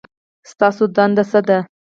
ستاسو دنده څه ده؟